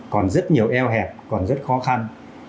còn rất nhiều eo hẹp còn rất khó khăn